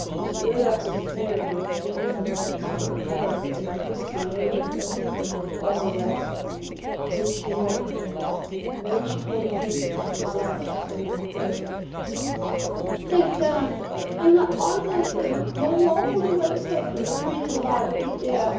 She stood up and sneered at the Senior Subaltern for a cur, and abused the Major and the Colonel and all the rest. Then she wept, and then she pulled a paper from her breast, saying imperially: "Take that! And let my husband my lawfully wedded husband read it aloud if he dare!"